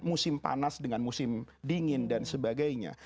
musim panas dengan musim dingin dan sebagainya